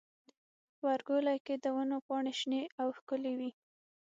غبرګولی کې د ونو پاڼې شنې او ښکلي وي.